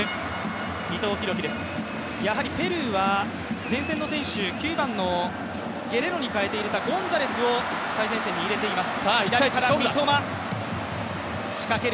ペルーは前線の選手９番のゲレロに代えて入れたゴンザレスを最前線に入れています。